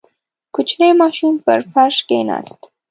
• کوچنی ماشوم پر فرش کښېناست.